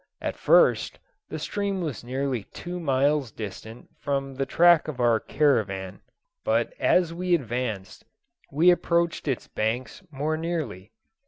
At first, the stream was nearly two miles distant from the track of our caravan, but as we advanced we approached its banks more nearly.